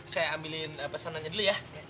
saya ambilin pesanannya dulu ya